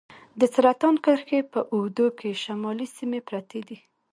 د سرطان کرښې په اوږدو کې شمالي سیمې پرتې دي.